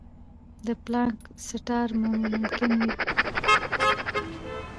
د پلانک سټار ممکن وي.